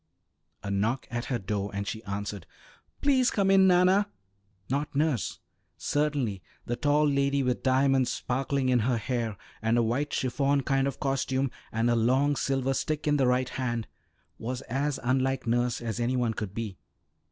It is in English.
A knock at her door, and she answered, "Please come in, Nanna!" Not nurse. Certainly the tall lady with diamonds sparkling in her hair, and a white chiffon kind of costume, and a long silver stick in the right hand, was as unlike nurse as any one could be.